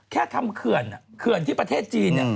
แค่ทำเขื่อนเมื่อที่ประเทศจีนนะ